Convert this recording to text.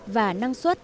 và năng suất